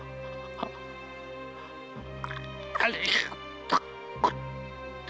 ありがとうござ！